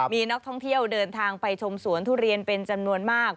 มีนักท่องเที่ยวเดินทางไปชมสวนทุเรียนเป็นจำนวนมาก